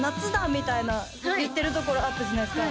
みたいな言ってるところあったじゃないですか